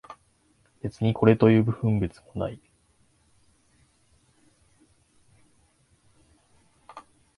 別にこれという分別も出ない